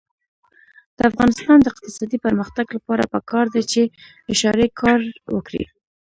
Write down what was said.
د افغانستان د اقتصادي پرمختګ لپاره پکار ده چې اشارې کار وکړي.